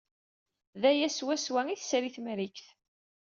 D aya swaswa ay tesri Temrikt.